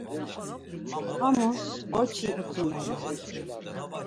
Hamus ǩoçi utzumenan.